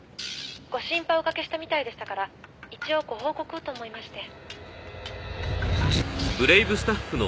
「ご心配おかけしたみたいでしたから一応ご報告をと思いまして」